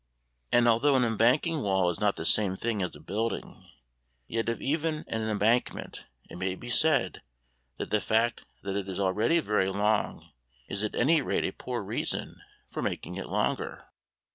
And although an embanking wall is not the same thing as a building, yet of even an embankment it may be said that the fact that it is already very long is at any rate a poor reason for making it longer.